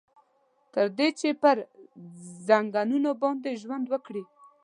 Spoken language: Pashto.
تر دې چې پر ځنګنونو باندې ژوند وکړي.